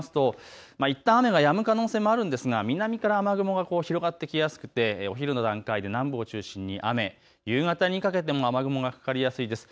時間を進めますと、いったん雨がやむ可能性もありますが南から雨雲が広がってきやすくてお昼の段階で南部を中心に雨、夕方にかけても雨雲がかかりやすいです。